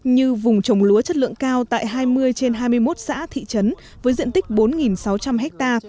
như vùng trồng lúa chất lượng cao tại hai mươi trên hai mươi một xã thị trấn với diện tích bốn sáu trăm linh ha